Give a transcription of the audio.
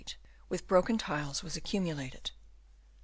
IV. with broken tiles" was accumulated.